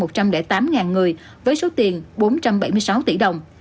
hỗ trợ cho hơn một trăm linh tám người với số tiền bốn trăm bảy mươi sáu tỷ đồng